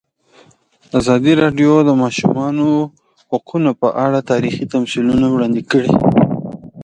ازادي راډیو د د ماشومانو حقونه په اړه تاریخي تمثیلونه وړاندې کړي.